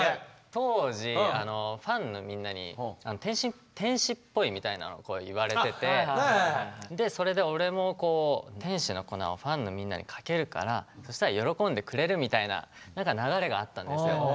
当時ファンのみんなに「天使っぽい」みたいなの言われててそれで俺も天使の粉をファンのみんなにかけるからそしたら喜んでくれるみたいな流れがあったんですよ。